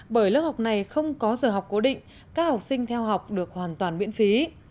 bởi lớp học này không có giờ học cố định các học sinh theo học được hoàn toàn miễn phí